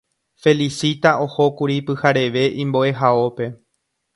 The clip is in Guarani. Felicita ohókuri pyhareve imbo'ehaópe